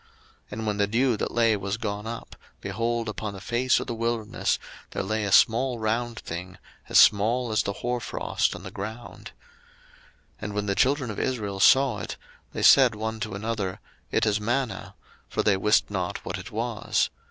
02:016:014 And when the dew that lay was gone up, behold, upon the face of the wilderness there lay a small round thing, as small as the hoar frost on the ground. 02:016:015 And when the children of Israel saw it, they said one to another, It is manna: for they wist not what it was.